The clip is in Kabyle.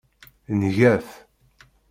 Nga-t.